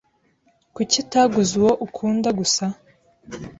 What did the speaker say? Kuki utaguze uwo ukunda gusa?